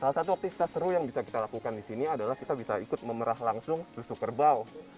salah satu aktivitas seru yang bisa kita lakukan di sini adalah kita bisa ikut memerah langsung susu kerbau